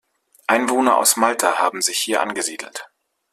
Einwohner aus Malta haben sich hier angesiedelt.